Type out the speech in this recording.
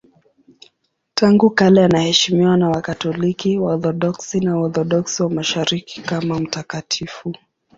Tangu kale anaheshimiwa na Wakatoliki, Waorthodoksi na Waorthodoksi wa Mashariki kama mtakatifu.